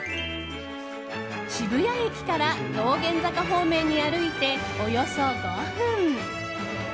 渋谷駅から道玄坂方面に歩いておよそ５分。